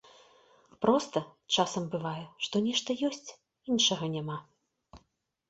Проста, часам бывае, што нешта ёсць, іншага няма.